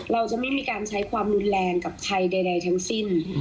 เราจะไม่มีการใช้ความรุนแรงกับใครใดทั้งสิ้น